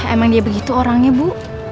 emang dia begitu orangnya bu